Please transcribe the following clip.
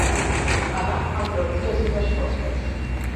Anar amb preguntes i respostes.